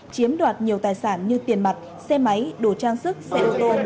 chiếm đoạt nhiều tài sản như tiền mặt xe máy đồ trang sức xe ô tô